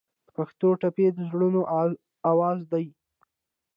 د پښتو ټپې د زړونو اواز دی.